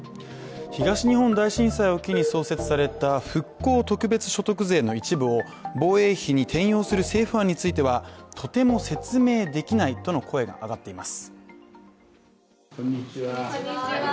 東日本大震災を機に創設された復興特別所得税の一部を防衛費に転用する政府案についてはとても説明できないとの声が上がっています。